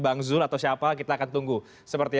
bang zul atau siapa kita akan tunggu seperti